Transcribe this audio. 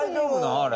あれ。